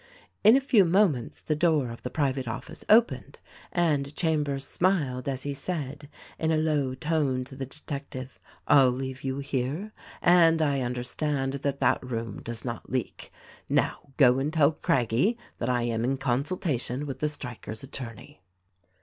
In a few moments the door of the private office opened, and Chambers smiled as he said — in a low tone to the detec tive : "I'll leave you here, and I understand that that room does not leak. Now go and tell Craggie that I am in con sultation with the strikers' attorney."